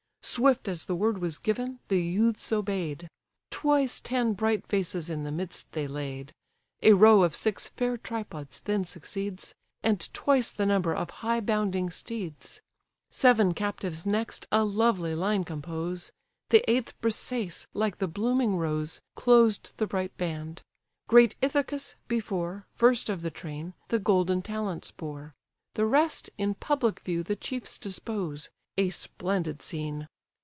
Swift as the word was given, the youths obey'd: Twice ten bright vases in the midst they laid; A row of six fair tripods then succeeds; And twice the number of high bounding steeds: Seven captives next a lovely line compose; The eighth Briseïs, like the blooming rose, Closed the bright band: great Ithacus, before, First of the train, the golden talents bore: The rest in public view the chiefs dispose, A splendid scene!